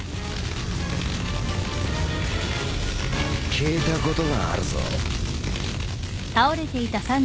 聞いたことがあるぞ。